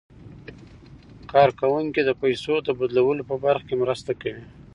کارکوونکي د پيسو د بدلولو په برخه کې مرسته کوي.